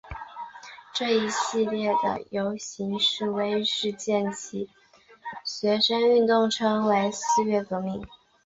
这一系列的游行示威事件及学生运动称为四月革命。